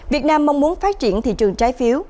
việt nam mong muốn phát triển thị trường trái phiếu